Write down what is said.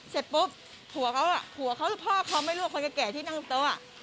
เสร็จปุ๊บผัวเขาอ่ะผัวเขาพ่อเขาไม่รู้ว่าคนแก่ที่นั่งโต๊ะ